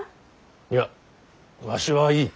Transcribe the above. いやわしはいい。